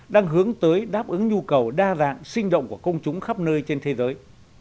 đang hướng tới đáp ứng nhu cầu đa dạng sinh động của công chúng khắp nơi trên thế giới